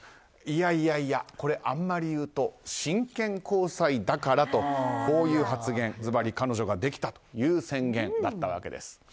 いやいや、これあんまり言うと真剣交際だからとこういう発言、ずばり彼女ができたという宣言だったんです。